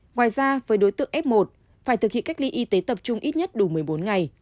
ngoài ra với đối tượng f một phải thực hiện cách ly y tế tập trung ít nhất đủ một mươi bốn ngày